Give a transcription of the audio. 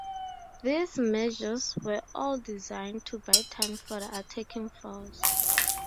These measures were all designed to buy time for the attacking force.